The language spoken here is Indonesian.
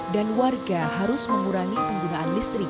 dan warga harus mengurangi penggunaan listrik